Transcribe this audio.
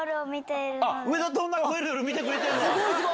『上田と女が吠える夜』見てくれてるの！